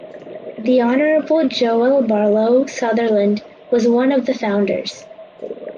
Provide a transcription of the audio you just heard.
The Honorable Joel Barlow Sutherland was one of the founders.